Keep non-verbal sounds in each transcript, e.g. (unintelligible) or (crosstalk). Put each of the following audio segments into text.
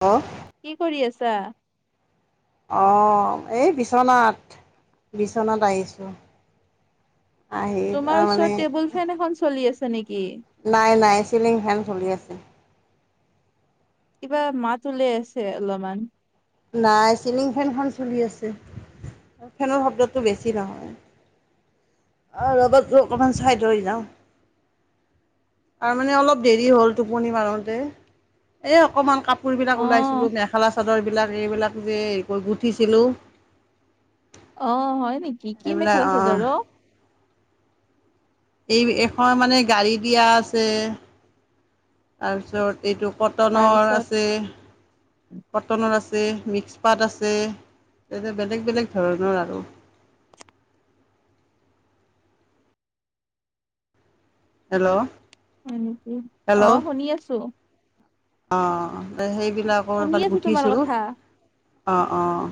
অ। কি কৰি আছা? অ এই বিশনাত বিশনাত আহিছোঁ। আহি তোমাৰ ওচৰত আনে টেবুল ফেন এখন চলি আছে নেকি? নাই নাই চিলিং ফেন চলি আছে। কিবা মাত উলাই আছে অলপমান। নাই চিলিং ফেনখন চলি আছে। ফেনৰ শব্দটো বেছি নহয়। আৰু ৰবাত ৰ ক চাই দ হৈ যাম। ত মানে অলপ দেৰি হ'ল টোপনি মাৰোতে এ অকমান কাপ কুকুৰবিলাক অ', ওলাইছিলোঁ মেখেলা চাদৰবিলাক এইবিলাক যে হেৰি কৰি গুঠিছিলোঁ। অ হয় নেকি কি এইবিলাক মেখেলা অঁ চাদৰ। এই এখন মানে গাড়ী দিয়া আছে তাৰপিছত। এইটো কটনৰ তাৰপিছত আছে কটনৰ আছে। মিক্স পাত আছে বেলেগ বেলেগ ধৰণৰ আৰু। (inaudible) হেল্ল'। নেকি অ শুনি আছো। অ সেই বি শুনি আছো তোমাৰ গুঠিছিলো কথা। অঁ অঁ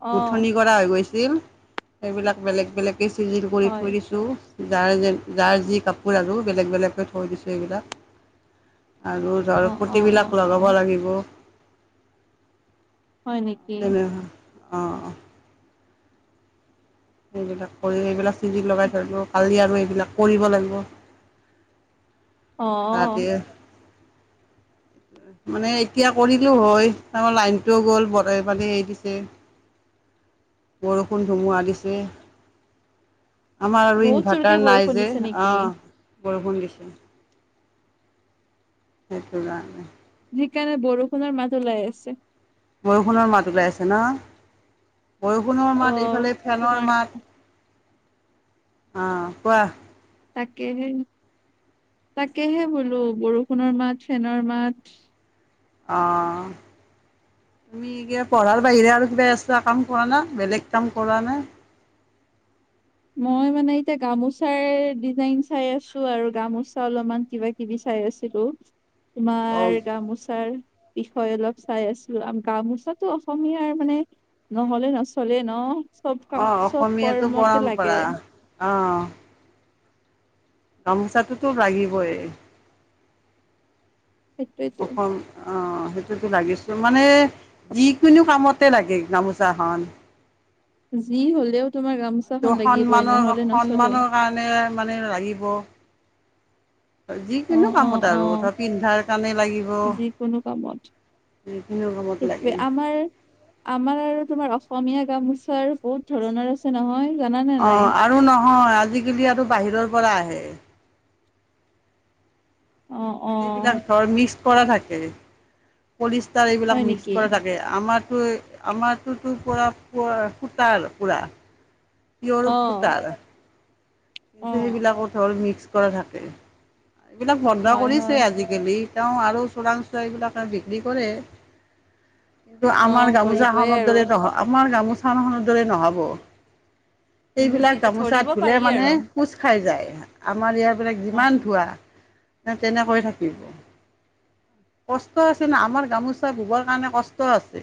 অ', গুঠনি কৰা হৈ গৈছে। সেইবিলাক বেলেগ বেলেগে চিজিল কৰি হয়। থৈ দিছোঁ। যাৰ যাৰ যি কাপোৰ আৰু বেলেগ বেলেগকৈ থৈ দিছোঁ এইবিলাক। আৰু ধৰ অ', পতি অ', অ', বিলাক লগাব অ', লাগিব। হয় নেকি? অ', অ', এইবিলাক কৰি এইবিলাক চিজিক লগাই থৈ দিব কালি আৰু এইবিলাক কৰিব লাগিব অ', ৰাতিয়ে (inaudible) মানে এতিয়া কৰিলো হয় এওঁ লাইনটোও গ'ল (unintelligible) দিছে। (inaudible) বৰষুণ-ধুমুহা দিছে। আমাৰ আৰু বহুত জোৰকে ইনভাৰ্টাৰ নাই বৰষুণ যে দিছে নেকি? অ, বৰষুণ দিছে। সেইটো কাৰণে। সেইকাৰণে বৰষুণৰ মাত ওলাই আছে। বৰষুণৰ মাত ওলাই আছে ন'? বৰষুণৰ মাত অ', এইফালে ফেনৰ তোমাৰ মাত আহ, কোৱা? তাকেহে। তাকেহে বোলো বৰষুণৰ মাত, ফেনৰ মাত অহ', তুমি এই কিবা পঢ়াৰ বাহিৰে আৰু কিবা এক্সট্ৰা কাম কৰা না বেলেগ কাম কৰোৱা নে? মই মানে এতিয়া গামোচাৰ ডিজাইন চাই আছো আৰু গামোচা অলপমান কিবা কিবি চাই চাই আছিলো তোমাৰ অঁ গামোচাৰ বিষয়ে অলপ চাই আছো গামোচাতো অসমীয়াৰ মানে নহ'লে নচলে ন' চব ক' চব কৰ্মতে লাগ (unintelligible) অৱ। গামোচাটোতো লাগিবই সেইটোয়েতো অসম আহ সেইটোতো লাগিছো মানে যিকোনো কামতে লাগে গামোচাখন যি হ'লেও তোমাৰ এইটো গামোচাখন লাগিবই সন্মানৰ নহ'লে নচলে সন্মানৰ কাৰণে মানে লাগিব। অ যিকোনো অ কামত অ আৰু ধৰা পিন্ধাৰ কাৰণে লাগিব যিকোনো কামত বিভিন্ন কামত সেইটোৱে লাগে আমাৰ আমাৰ আৰু তোমাৰ অসমীয়া গামোচাৰ বহুত ধৰণৰ আছে নহয় জানানে অ নাই আৰু নহয় আজিকালি আৰু বাহিৰৰ পৰা আহে অ অ এইবিলাক ধৰ মিক্স কৰা থাকে পৰিষ্টাৰ এইবিলাক হয় মিক্স নেকি কৰা থাকে আমাৰ আমাৰোতো পৰা পৰা সূতাৰ পুৰা অ ইউৰোপ সূতা অ কিন্তু সেইবিলাকো ধৰ মিক্স কৰা থাকে এইবিলাক বন্ধ হয় হয় কৰিছে আজিকালি তেওঁ আৰু চোৰাং চোৰাং এইবিলাকে বিক্ৰী কৰে কিন্তু অ আমাৰ কৰিবই গামোচাখনৰ আৰু দৰে নহ আমাৰ গামোচাখনৰ দৰে নহব বুজি সেইবিলাক গামোচা ধৰিব ধুলে পাৰি মানে আৰু খোজ খাই যায় আমাৰ ইয়াৰবিলাক অ যিমান ধোৱা তেনেকৈ থাকিম কষ্ট আছে ন আমাৰ গামোচা ববৰ কাৰণে কষ্ট আছে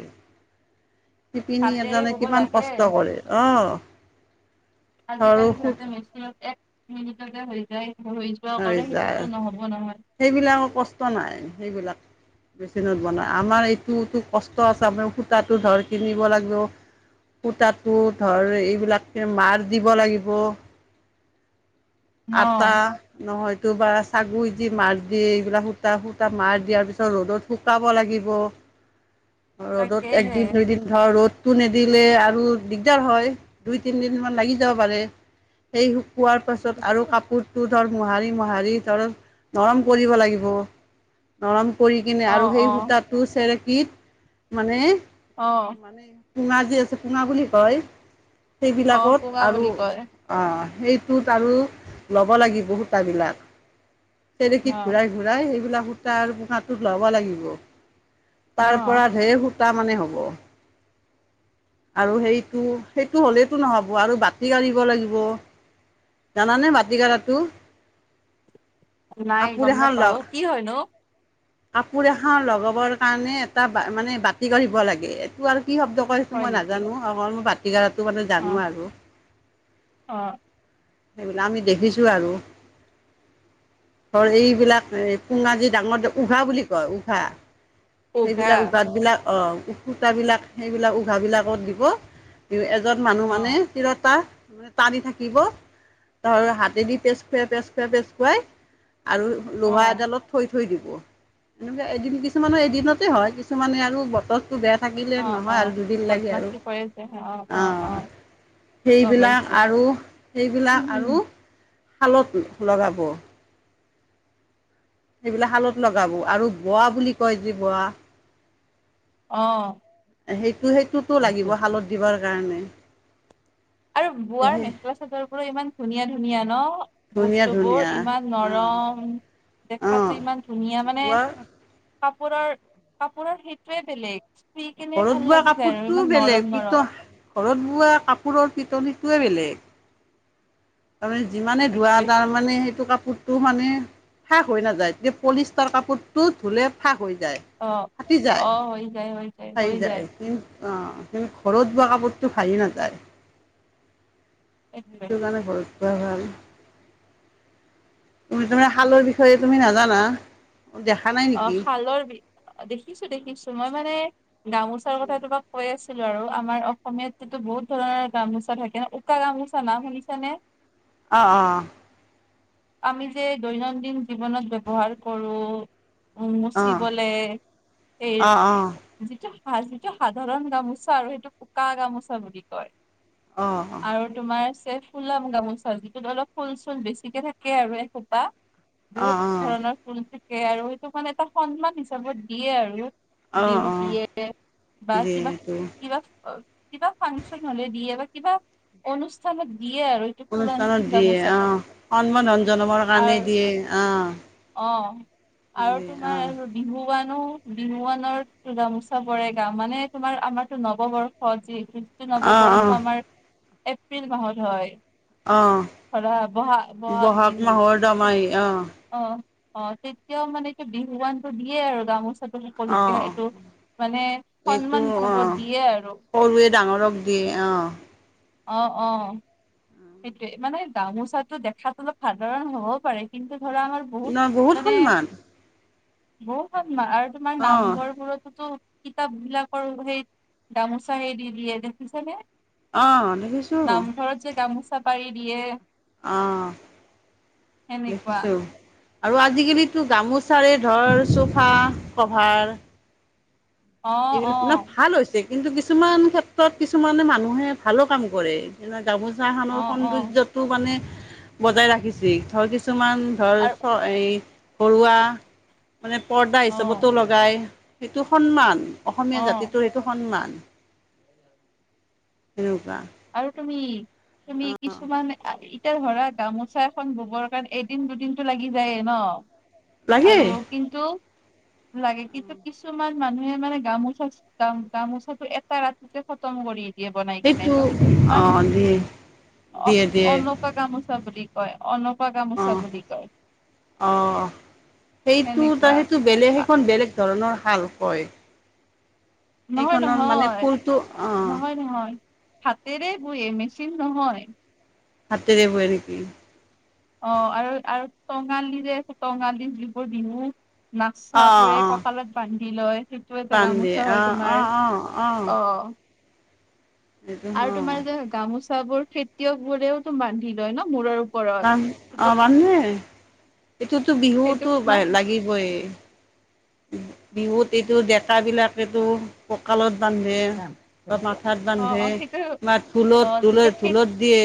শিপিনী হাতেৰে এজনে বব কিমান লাগে কষ্ট কৰে অ আজিকালি সিহঁতে মেচিনত এক মিনিটতে হৈ যায় হৈ যোৱা হৈ কৰে যায় সেইটোতো নহব নহয় সেইবিলাকৰ কষ্ট নাই সেইবিলাক বেচিনত বনাই আমাৰ এইটো কষ্ট আছে আমাৰ সূততো ধৰ কিনিব লাগিব সূতাটো ধৰ এইবিলাকে মাৰ দিব লাগিব ন আটা নহয় বাছাগু দি মাৰ দি এইবিলাক সূতা সুতা মাৰ দিয়াৰ পিছত ৰ'দত শুকাব লাগিব (unintelligible) ৰ'দত তাকেহে একদিন দুইদিন ধৰ ৰ'দ টো নিদিলে আৰু দিগদাৰ হয় দুই তিনিদিন মান লাগি যাব পাৰে সেই শুকোৱাৰ পাছত আৰু কাপোৰ তো তৰ মোহাৰি মোহাৰি তৰ নৰম কৰিব লাগিব নৰম কৰি কিনে অ আৰু সেই অ সূতাটো চেৰেকত মানে অ মানে পঙা যি আছে পঙা বুলি কয় অ সেইবিলাকত কোঙা আৰু বুলি কয় সেইটোত আৰু ল'ব লাগিব সূতাবিলাক অ চেৰেকীত ঘূৰাই ঘূৰাই সেইবিলাক সূতা আৰু পোহাটোত ল'ব লাগিব অ তাৰ পৰা ঢেৰ সূতা মানে হ'ব আৰু সেইটো সেইটো হলেতটো নহব আৰু বাতি কাঢ়িব লাগিব (unintelligible) জানানে বাাটি কাৰাটো নাই গম নাপাও কি হয়নো কাপোৰ এখন লগাবৰ কাৰণে এটা মানে বাতি কৰিব লাগে এইটো আৰু কি শব্দ কৰিছো হয় মই নেকি নাজানো অকল মই ভাটিকাৰাতো মানে অ জানো আৰু অ সেইবিলাক আমি দেখিছোঁ আৰু ধৰ এইবিলাক পুঙাজি ডাঙৰ টো উঘা বুলি কয় উঘা উঘা সেইবিলাক উঘাত বিলাক অ সুত বিলাক সেইবিলাক উঘাব বিলাকত দিব ত মানুহ অ মানে তিৰতা টানি থাকিব ধৰ হাতেদি পেষ্ট খুৱাই পেচ খুৱাই পেষ্ট খুৱাই আৰু অ লোহা এডালত থৈ থৈ দিব এনেকে এদিন কিছুমানে দিনতে হয় কিছুমানে আৰু বতৰ বেয়া থাকিলে অ অ নহয় আৰু দুদিন লাগে আৰু বদমাচি কৰে যে অ, গম সেইবিলাক পাইছো আৰু-সেইবিলাক আৰু অ শালত লগাব। সেইবিলাক শালত লগাব আৰু বোৱা বুলি কয় যে বোৱা। অ', সেইটো- সেইটোতো লাগিব শালত দিবৰ কাৰণে। আৰু বোৱাৰ মেখেলা চাদৰ বোৰো ইমান ধুনীয়া - ধুনীয়া ন। ধুনীয়া ধুনীয়া বস্তুবোৰ ইমান অঁ নৰম। অঁ দেখাতো ইমান ধুনীয়া মানে বোৱা কাপোৰৰ। - কাপোৰৰ সেইটোৱে বেলেগ। চুই কেনে ভাল ঘৰত বোৱা লাগি যায় আৰু কাপোৰতটোও ইমান নৰম বেলেগ কি নৰম ঘৰত বোৱা কাপোৰত পিটলীটোৱে বেলেগ। তাৰমানে যিমানে ধোৱা সেইটোৱে তাৰমানে সেইটো কাপোৰ তো মানে ফাক হৈ নাযায় এতিয়া পলিষ্টাৰ কাপোৰটো ধুলে ফাক হৈ যায়। অ ফাটি যায় অ হৈ যায় হৈ ফাহি হৈ যায় কি অ, কিন্তু ঘৰত বোৱা কাপোৰটো ভালি নাযায়। সেইটোৱে সেইটো কাৰণে ঘৰত ভ তুি তে শালৰ বিষয়ে তুমি নাজানা। দেখা নাই অ, নেকি খালৰ বি দেখিছো দেখিছো মই মানে গামোচাৰ কথা তোমাক কৈ আছিলো আৰু আমাৰ অসমীয়াত যটো বহুত ধৰণৰ গামোচা থাকে উকা। গামূচা নাম শুনিছানে? অ - অ। আমি যে দৈনন্দিন জীৱনত ব্যৱহাৰ কৰো। উম, অঁ মুচিবলে সেই অঁ অঁ যিটো ভ যিটো সাধাৰণ গামোচা আৰু সেইটো পোক গামোচা বুলি কয়। অঁ আৰু তোমাৰ আছে ফুলাম গামোচা যিটোত অলপ ফুল চুল বেছিকে থাকে। থাকে আৰু এসোপা অঁ অঁ বহুত ধৰণৰ ফ তাকে আৰু সেইটো মানে এটা সন্মান হিচাপত দিয়ে আৰু অঁ বিহু অঁ দিয়ে। বা দিয়ে কিবা এইটো - কিবা কিবা ফাংচন হলে দিয়ে বা কিবা অনুষ্ঠানত দিয়ে আৰু টো ফুলান অনুষ্ঠানত দিয়ে অঁ গামোচাটো। সন্মাধন জনাবৰ কাৰণে আৰু দিয়ে অঁ অ, আৰু দিয়ে অঁ তোমাৰ বিহুৱান। বিহুৱানৰ গামোচা বৰে গাও মানে তোমাৰ আমাৰতো নৱবৰ্ষ যি। টো অঁ অঁ নৱবৰ্ষ আমাৰ এপ্ৰিল মাহত হয়। অঁ অ, বহা ব - ব। বহাগ মাহৰ দমাহী অ, অ- অ তেতিয়াও মানে এইটো বিহুৱানটো দিয়ে আৰু গামোচা সকলোকে অঁ এইটো মানে এইটো সন্মান হিচাপত অঁ দিয়ে আৰু সৰুৱে ডাঙৰক দিয়ে অঁ অহ - অহ। সেইটোয়ে মানে গামোচাতো দেখাতো অলপ সাধাৰণ হ'বও পাৰে কিন্তু ধৰা আমাৰ বহুত নহয় মানে সন্মান বহ আৰু তোমাৰ অঁ নামঘৰ বোৰত টো কিতাপ বিলাকৰ সেই গামোচা হে দি দিয়ে দেখিছেনে অঁ দেখিছোঁ নামঘৰত যে গামোচা পাৰি দিয়ে। অ, সেনেকুৱা দেখিছো আৰু আজিকালিতো গামোচা। চাৰে ধৰ চোফা কভাৰ অ অ এইবিলাক ন ভাল হৈছে কিন্তু কিছুমান ক্ষেত্ৰত কিছুমানে মানুহে ভালো কাম কৰে যেনে গামোচা খানৰ অ অ সৌন্দৰ্যতটো মানে বজাই ৰাখিছে ধৰ কিছুমান ধৰ আৰু চ ঘৰুৱা মানে পৰ্দা অ হিচাপতো লগায়। সেইটো সন্মান অ অসমীয়া জাতিটোৰ সেইটো সন্মান। (unintelligible) আৰু তুমি তুমি কিছুমান। এতিয়া ধৰা গামোচা এখন ববৰ কাৰণে এদিন দুদিনতটো লাগি যায়েই ন লাগে আৰু কিন্ত লাগে কিন্তু কিছুমান মানুহে মানে গামোচা গামোচাটো এটা ৰাতিতে খতম কৰি। বনাই কেনোই ত সেইটো তোমাৰ অঁ দিয়ে অ দিয়ে দিয়ে অনকা কাম বুলি কয় অলপ অ অ সেইটো সেনেকুৱা তাৰ সেইটো বেলেগ আ, সেইখন বেলেগ ধৰণৰ হাল কয়। নহয় সেইখনৰ মানে নহয় ফুলটো অঁ নহয়, নহয়। হাতেৰে বয়ে মেচিন নহয়। হতেতে পয় নেকি। অ আৰু আৰু টঙালি যে আছে টঙালি যিবোৰ বিহু অ', নাক্চাবোৰে অ', কঁকালত বান্ধি লয়। সেইটো এটা বাম দিয়ে গামোচা হয় অ', তোমাৰ অ', অ', অ সেইটো আৰু অ', তোমাৰ যে গামোচা বোৰ খেতিয়ক বোৰেও তুম বান্ধি লয় ন মূৰৰ ওপৰত বান অ সেইটোক বানে এইটোতো সেইটোক বিহুতো তোমাক লাগিবই। বিহুত এইটো ডেক বিলাক এইটো কঁকালত বান্ধে আাথাত অ বান্ধে অ সেইটো বা অ ঢোলত ঢোলত তেতিয়া খেত ঢোলত দিয়ে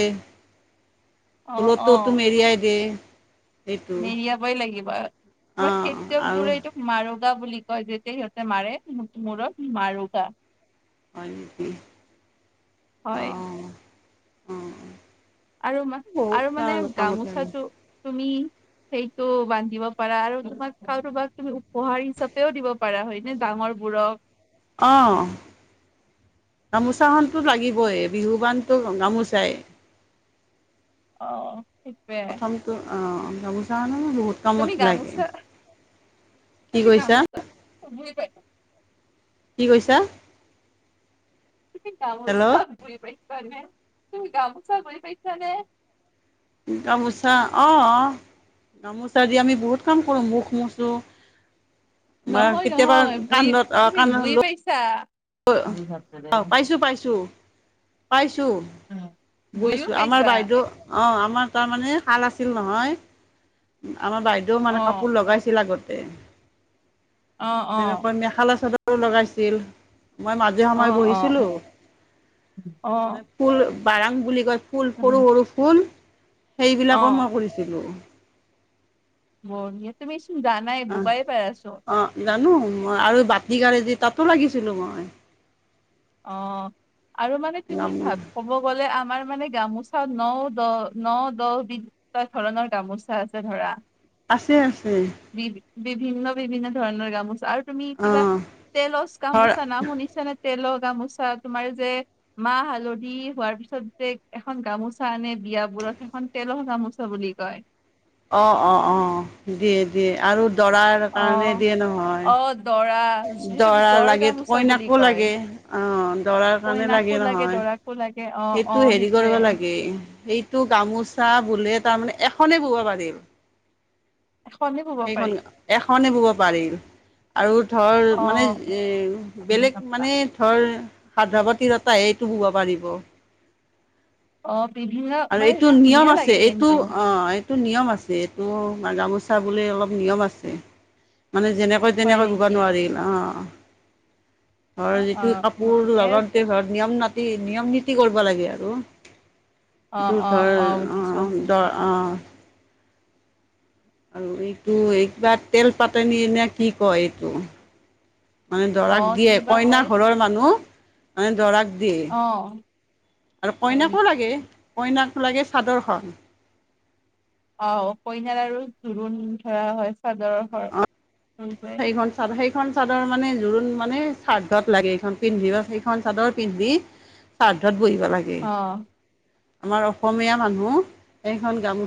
অ ফুলতো তোম অ মেৰিয়াই দে মেৰিয়াবই লাগিব তোমাৰ অ', খেতিয়ক আৰু বো এইটোক মাৰো বুলি কয় যেতিয়া সিহঁতে মাৰে মোৰৰত মাৰোগা হয়ক হয় আহ আহ আৰু ম আৰু মানে লাগে গামোচাটো তুমি সেইটো বান্ধিব পাৰা আৰু তোমাক কাৰোবাক তুমি উপহাৰ হিচাপেও দিব পাৰা হয় নে, ডাঙৰ বোৰক আহ! গামোচাখনতো লাগিবই বিহু বানতটো গামোচাই অ সেইটোয়ে (unintelligible) ন বহুত কামত লাগে গামোচা কি তুমি কৰিছা। গামোচা বুজি পাই কি কৈছা? তুমি হেল্ল' গামোচব বুি পাইছানে তুমি গামোচা বি পাইছানে? গামোচা আহ গামোচা দি আমি বহুত কাম কৰোঁ মখ মোচা বা নহয় কেতিয়াবা নহয় বুজি কান্ণত অ তুমি কান্ত ল বুজি অ অ পাইছা। পাইছো পাইছো পাইছো উম, বুজিও বুজছো আমাৰ পাইছা বাইদেউ অঁ আমাৰ তাৰমানে শাল আছিল নহয় আমাৰ বাইদেউও অ মানে কাপোৰ লগাইছিল আগত অ অ তেনেকৈ মেখেলা চাদৰো লগাইছিল মই মাজে অ সময় অ অ বহিছিলোানে ফুল বাৰাং বুলি কয় ফুল সৰু সৰু ফুল অ সেইবিলাকো মই কৰিছিলো বিয় তুমি জানাই অ', বুবাই পৰাাই আছো অ', জানো মই আৰু বাট গ যি তাতো লাগিছিলো মই অ আৰু মানে তুমি গামো ভ ক'ব গ'লে আমাৰ মানে গামোচা ন দহ ন দহ বিধ ধৰণৰ গামোচা আছে ধৰা আছে আছে বি বিভিন্ন বিভিন্ন ধৰণৰ গামোচা আৰু তুমি কিবা অ', তেলচ ঘৰ গামোচা নামোনিছানে তেলত গামোচা তোমাৰ যে মাহ হালধি হোৱাৰ পিছত যে এখন গামোচা আনে বিয়া ব ৰত এখন তেলৰ গামোচা বুলি কয় অ অ অ দিয়ে দিয়ে আৰু দৰাৰ কাৰণে অ', দিয়ে নহয় অ', দৰা সেইটো দৰাৰ জৰ লাগে গামোচা বুলি কইনাকো কয়। লাগে অ দৰাৰ কাৰণে কইনাকো লাগে নহয় দৰাকো লাগে অ', সেইটো অ', হেৰি সেইটোৱে কৰিব লাগে সেইটো গামোচা বোলে তাৰমানে এখনেই বব পাৰিল হয় সেইখন এখনে বব পাৰিল আৰু ধৰ অ'। মানে এ বেলেগ মানে ধৰ সাধা পাতিৰটে এইটো ববা পাৰিব অ বিভিন্ন আৰু মানে এইটো নিয়ম ধুনীয়া আছে লাগে এইটো কিন্তু অ এইটো নিয়ম আছে এইটো মা গামোচা বুলি অলপ নিয়ম আছে মানে যেনেকৈ হয় তেনেকৈ ঘুবা নেকি? নোৱাৰিল অঁ ধ অ', যিটো অ', অ', কাপোৰ ঠিকে আছে লগত ঘৰত নিয়ম নাাট নিয়ম নীতি কৰিব লাগে আৰু অ', অ', দধৰ অ', বুজিছো দ আৰু এইটো এইিবা তেল পাত নিনা কি কয় এইটো মানে দৰাক অ', কি দিয়ে বা কইনা কয় ঘৰৰ মানুহ মানে দৰাক দিয়ে অ', আৰু হয় কইনাকো নেকি? লাগে কইনাক লাগে চাদৰখন আহ কইনাল আৰু জোৰোণ ধৰা হয় চাদৰৰ যায় সখন চাদৰ মানে জোৰোণ মানে শ্ৰাদ্ধত লাগে এইখন পিন্ধি বা সেইখন চাদৰ পিন্ধি শ্ৰাদ্ধত বহিবা লাগে অ'। আমাৰ অসমীয়া মানুহ সেইখন গামোচা